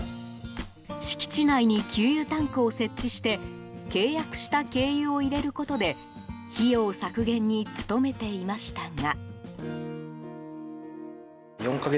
敷地内に給油タンクを設置して契約した軽油を入れることで費用削減に努めていましたが。